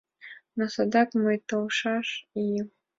Но садак мый толшаш ийын